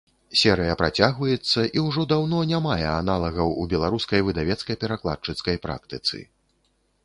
Серыя працягваецца і ўжо даўно не мае аналагаў у беларускай выдавецка-перакладчыцкай практыцы.